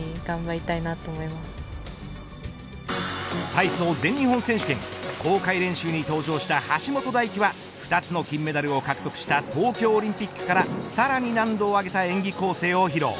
体操全日本選手権公開練習に登場した橋本大輝は２つの金メダルを獲得した東京オリンピックからさらに難度を上げた演技構成を披露。